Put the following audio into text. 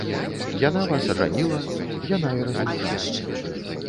Яна вас ажаніла, яна і разлучыла.